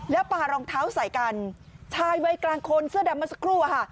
แล้วปลารองเท้าใส่กันชายวัยกลางคนเสื้อดำเมื่อสักครู่อะค่ะ